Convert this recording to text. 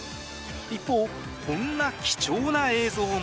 一方、こんな貴重な映像も。